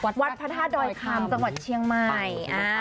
จังหวัดเชียงใหม่